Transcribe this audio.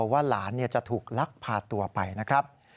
ว่าหลานจะถูกลักพาตัวไปนะครับ